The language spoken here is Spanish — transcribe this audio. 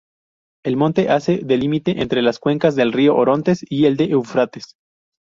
El monte hace de limite entre las cuencas del río Orontes y el Éufrates.